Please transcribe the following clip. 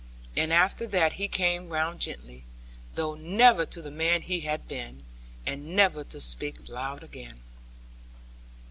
And after that he came round gently; though never to the man he had been, and never to speak loud again.